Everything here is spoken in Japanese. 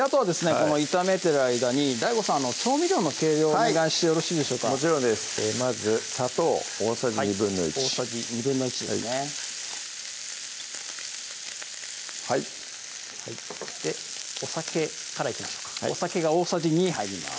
この炒めてる間にＤＡＩＧＯさん調味料の計量をお願いしてよろしいでしょうかもちろんですまず砂糖大さじ１／２大さじ１／２ですねはいでお酒からいきましょうかお酒が大さじ２入ります